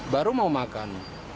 baru mau makan